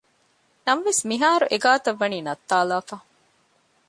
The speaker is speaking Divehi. ނަމަވެސް މިހާރު އެގާތައް ވަނީ ނައްތާލެވިފަ